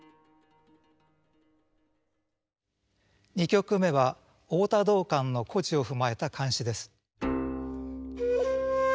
２曲目は太田道灌の故事を踏まえた漢詩です。